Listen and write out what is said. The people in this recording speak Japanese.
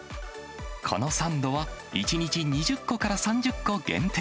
このサンドは１日２０個から３０個限定。